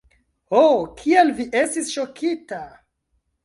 Ho, kiel vi estis ŝokita!